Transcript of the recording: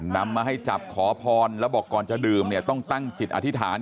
นำมาให้จับขอพรแล้วบอกก่อนจะดื่มเนี่ยต้องตั้งจิตอธิษฐาน